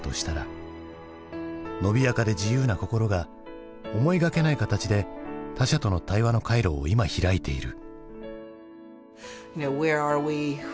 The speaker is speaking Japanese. のびやかで自由な心が思いがけない形で他者との対話の回路を今開いている。